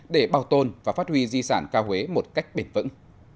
để bảo tồn và phát huy di sản ca huế một cách bền vững